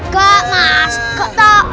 gak mas gak tau